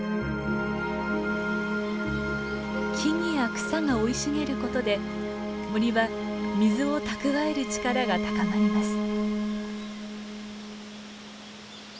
木々や草が生い茂ることで森は水を蓄える力が高まります。